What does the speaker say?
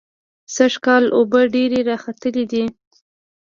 سږکال اوبه ډېرې راخلتلې دي.